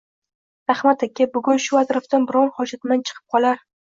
Rahmat, aka… Bugun shu atrofdan biron hojatmand chiqib qolar